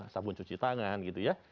sabun cuci tangan gitu ya